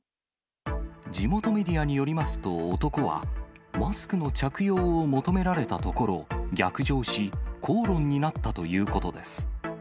地元メディアによりますと、男は、マスクの着用を求められたところ、逆上し、口論になったということです。